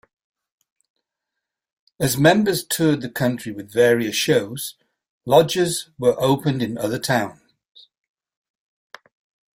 As members toured the country with various shows, lodges were opened in other towns.